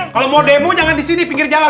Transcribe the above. kalau mau demo jangan di sini pinggir jalan